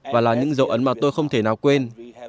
và là những dấu ấn mà tôi không thể nào quên